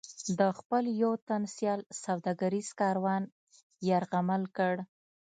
د خپل یو تن سیال سوداګریز کاروان یرغمل کړ.